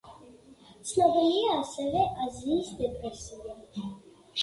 ცნობილია ასევე აზიის დეპრესია.